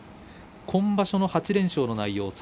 今場所の８連勝の内容